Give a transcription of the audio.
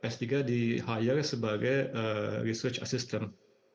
s tiga di hire sebagai research assistant